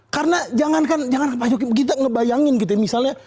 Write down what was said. karena jangan kan pak jokowi ngayangin gitu misalnya